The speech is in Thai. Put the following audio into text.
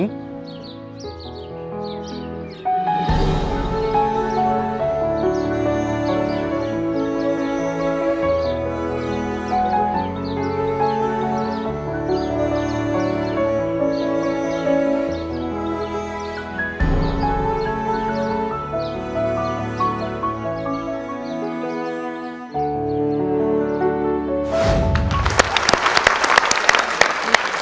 อ่า